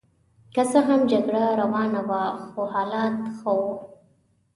که څه هم جګړه روانه وه خو حالات ښه وو.